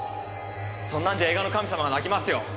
そんなんじゃ映画の神様が泣きますよ。